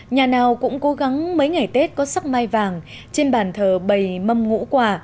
nhà nào cũng cố gắng mấy ngày tết có sắc mai vàng trên bàn thờ bầy mâm ngũ quả